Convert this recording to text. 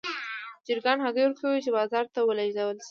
چرګان هګۍ ورکوي چې بازار ته ولېږدول شي.